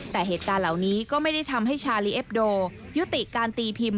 แต่เหตุการณ์เหล่านี้ก็ไม่ได้ทำให้ชาลีเอ็บโดยยุติการตีพิมพ์